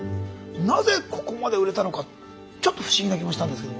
なぜここまで売れたのかちょっと不思議な気もしたんですけども。